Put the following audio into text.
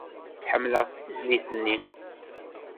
Ḥemmleɣ tizlit-nni.